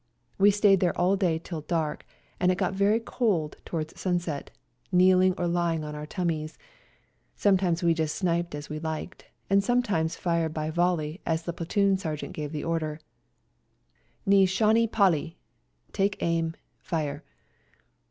We stayed there all day till dark, and it got very cold towards simset, kneeling or lying on our tummies ; sometimes we just sniped as we liked, and sometimes fired by volley as the platoon sergeant gave the order, "Ne shanni palli" ("Take aim, fire